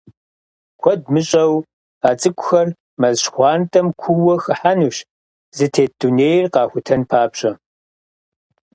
Куэд мыщӀэу, а цӏыкӏухэр мэз щхъуантӀэм куууэ хыхьэнущ, зытет дунейр къахутэн папщӏэ.